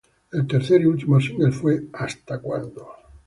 El tercer y último single fue "Hasta cuándo".